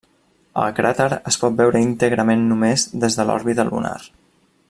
El cràter es pot veure íntegrament només des de l'òrbita lunar.